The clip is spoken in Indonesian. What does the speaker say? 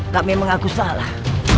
kami mengaku salah